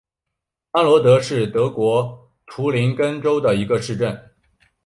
安罗德是德国图林根州的一个市镇。